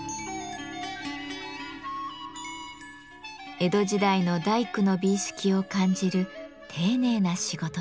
江戸時代の大工の美意識を感じる丁寧な仕事です。